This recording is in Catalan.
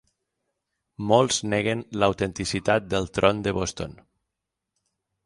Molts neguen l'autenticitat del tron de Boston.